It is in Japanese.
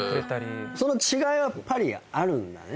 その違いはやっぱりあるんだね。